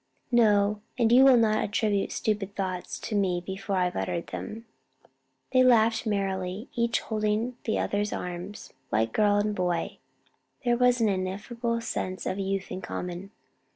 "No; and you will not attribute stupid thoughts to me before I've uttered them." They laughed merrily, each holding the other's arms, like girl and boy. There was the ineffable sense of youth in common.